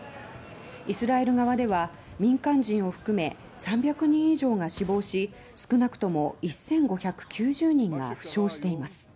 イスラエル側では民間人を含め３００人以上が死亡し少なくとも１５９０人が負傷しています。